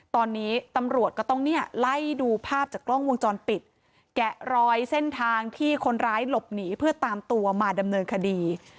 ตอนนี้ตำรวจก็ต้องเนี่ยไล่ดูภาพจากกล้องวงจรปิดแกะรอยเส้นทางที่คนร้ายหลบหนีเพื่อตามตัวมาดำเนินคดี